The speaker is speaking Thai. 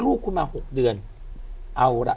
ลูกคุณมา๖เดือนเอาล่ะ